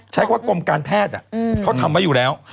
ใช้คำว่ากรมการแพทย์เขาทำไว้อยู่แล้ว